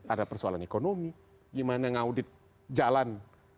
ada persoalan ekonomi gimana ngaudit jalan